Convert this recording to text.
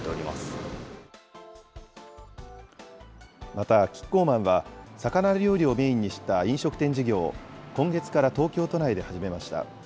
またキッコーマンは、魚料理をメインにした飲食店事業を、今月から東京都内で始めました。